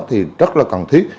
thì rất là cần thiết